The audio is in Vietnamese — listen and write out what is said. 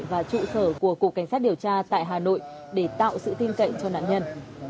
và trụ sở của cục cảnh sát điều tra tại hà nội để tạo sự tin cậy cho nạn nhân